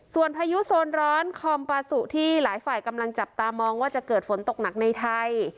ส่วนพายุโซนร้อนคอมปาสุที่หลายฝ่ายกำลังจับตามองว่าจะเกิดฝนตกหนักในไทย